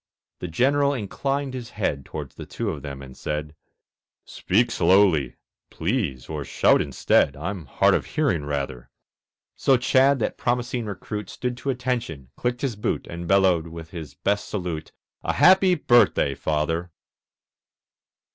The General inclined his head Towards the two of them and said, "Speak slowly, please, or shout instead; I'm hard of hearing, rather." So Chadd, that promising recruit, Stood to attention, clicked his boot, And bellowed, with his best salute, "A happy birthday, Father!"